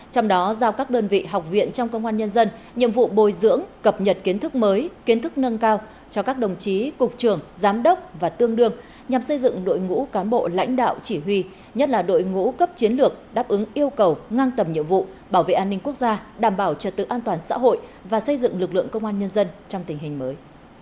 trong đó giao các đơn vị học viện trong công an nhân dân nhiệm vụ bồi dưỡng cập nhật kiến thức mới kiến thức nâng cao cho các đồng chí cục trưởng giám đốc và tương đương nhằm xây dựng đội ngũ cán bộ lãnh đạo chỉ huy nhất là đội ngũ cấp chiến lược đáp ứng yêu cầu ngang tầm nhiệm vụ bảo vệ an ninh quốc gia đảm bảo trật tự an toàn xã hội và xây dựng lực lượng công an nhân dân trong tình hình mới